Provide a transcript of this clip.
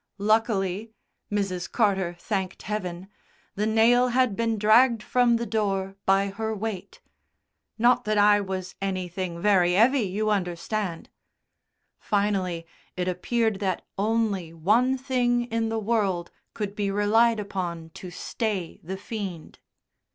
Luckily (Mrs. Carter thanked Heaven) the nail had been dragged from the door by her weight "not that I was anything very 'eavy, you understand." Finally, it appeared that only one thing in the world could be relied upon to stay the fiend.